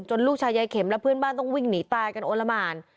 ลูกชายยายเข็มและเพื่อนบ้านต้องวิ่งหนีตายกันโอละหมาน